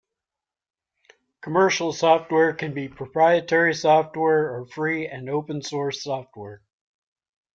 Commercial software can be proprietary software or free and open source software.